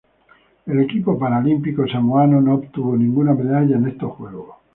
El equipo paralímpico samoano no obtuvo ninguna medalla en estos Juegos.